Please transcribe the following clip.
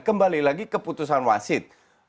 kembali lagi keputusan wasid